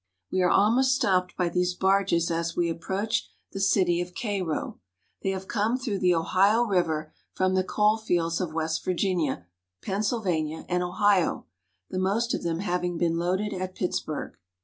We are almost stopped by these barges as we approach the city of Cairo. They have come through the Ohio River from the coal fields of West Virginia, Pennsylvania, and Ohio, the most of them having been loaded at Pitts burg.